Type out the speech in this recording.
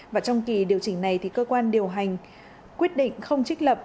và trong kỳ điều chỉnh này thì cơ quan điều hành quyết định không trích lập